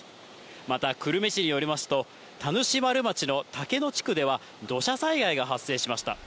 また久留米市によりますと、田主丸町の竹野地区では、土砂災害が発生しました。